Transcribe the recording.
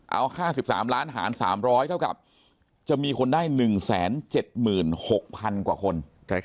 เอา๕๓ล้านหาร๓๐๐เท่ากับจะมีคนได้๑๗๖๐๐๐กว่าคน